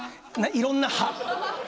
いろんな派！